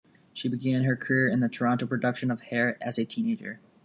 She began her career in the Toronto production of "Hair" as a teenager.